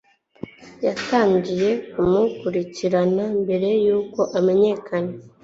yatangiye kumukurikirana mbere yuko amenyekana